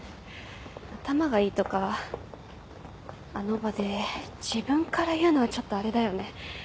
「頭がいい」とかあの場で自分から言うのちょっとあれだよね。